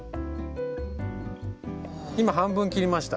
今半分切りました。